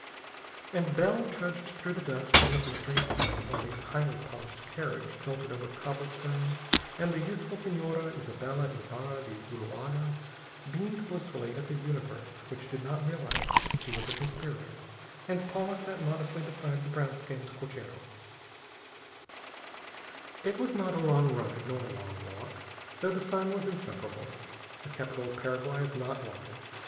And Bell trudged through the dust and the blistering sun while the highly polished carriage jolted over cobble stones and the youthful Señora Isabella Ybarra de Zuloaga beamed blissfully at the universe which did not realize that she was a conspirator, and Paula sat modestly beside the brown skinned cochero. It was not a long ride nor a long walk, though the sun was insufferable. The capital of Paraguay is not large.